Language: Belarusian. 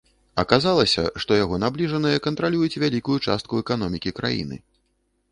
Аказалася, што яго набліжаныя кантралююць вялікую частку эканомікі краіны.